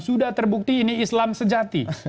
sudah terbukti ini islam sejati